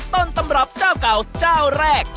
ต้นตำรับเจ้าเก่าเจ้าแรก